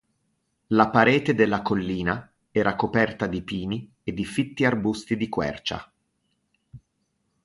La parete della collina era coperta di pini e di fitti arbusti di quercia.